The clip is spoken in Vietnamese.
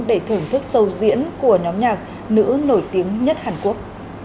để thưởng thức sâu diễn của nhóm nhạc nữ nổi tiếng nhất hàn quốc